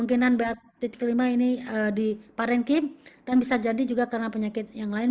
kemungkinan ba ini di parenkim dan bisa jadi juga karena penyakit yang lain